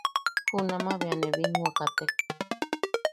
Junama bea ne binwa ne katek.